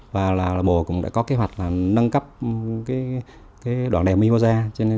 và bộ cũng đã có kế hoạch nâng cấp đoạn đèo mimosa